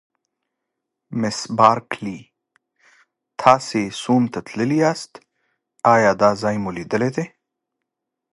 مس بارکلي: تاسي سوم ته تللي یاست، ایا دا ځای مو لیدلی دی؟